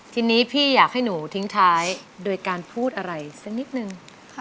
ทีนี้พี่อยากให้หนูทิ้งท้ายโดยการพูดอะไรสักนิดนึง